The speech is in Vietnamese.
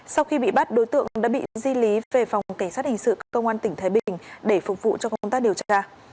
sau khi bị bắt đối tượng đã bị di lý về phòng cảnh sát hình sự công an tỉnh thái bình để phục vụ cho công tác điều tra